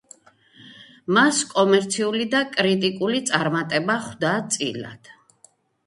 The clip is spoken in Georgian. მას კომერციული და კრიტიკული წარმატება ხვდა წილად.